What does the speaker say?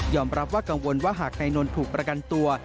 รับว่ากังวลว่าหากนายนนท์ถูกประกันตัว